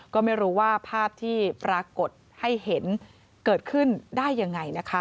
ก็ไม่รู้ว่าภาพที่ปรากฏให้เห็นเกิดขึ้นได้ยังไงนะคะ